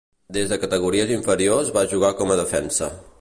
Des de categories inferiors va jugar com a defensa.